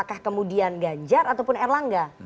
apakah kemudian ganjar ataupun erlangga